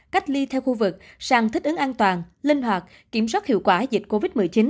cách ly theo khu vực sang thích ứng an toàn linh hoạt kiểm soát hiệu quả dịch covid một mươi chín